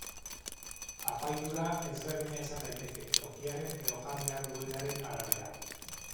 Apaindura, ezberdina izan daiteke, tokiaren edo jan behar duenaren arabera.